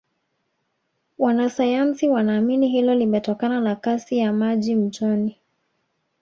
wanasayansi wanaamini hilo limetokana na Kasi ya maji mtoni